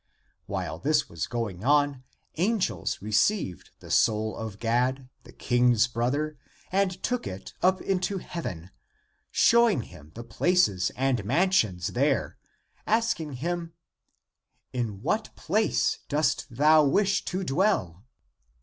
While this was going on, angels re ceived the soul of Gad, the King's brother, and took it up into heaven, showing him the places and mansions there, asking him, " In what place dost thou wish to dwell?"